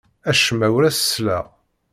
Acemma ur as-selleɣ.